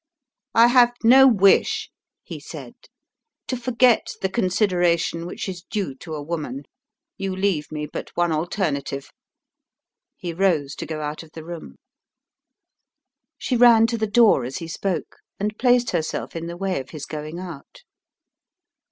"I have no wish," he said, "to forget the consideration which is due to a woman. You leave me but one alternative." He rose to go out of the room. She ran to the door as he spoke, and placed herself in the way of his going out.